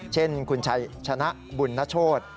เช่นคุณชัยชนะบุญนโชธ